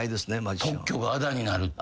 特許があだになるっていう。